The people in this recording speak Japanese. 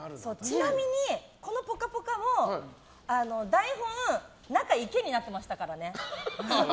ちなみにこの「ぽかぽか」も台本の「池」になってましたからね。